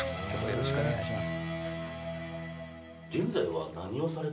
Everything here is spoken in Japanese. よろしくお願いします。